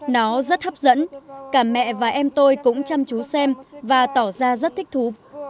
nó rất hấp dẫn cả mẹ và em tôi cũng chăm chú xem và tỏ ra rất thích thú